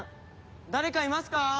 誰かいますか？